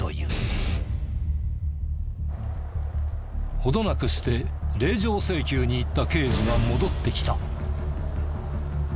程なくして令状請求に行った刑事が戻ってきた。